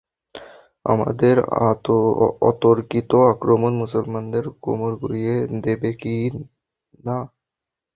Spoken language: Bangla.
আমাদের অতর্কিত আক্রমণ মুসলমানদের কোমড় গুড়িয়ে দেবে কি-না?